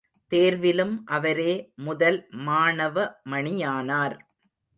தேர்விலும் அவரே முதல் மாணவமணியானார்.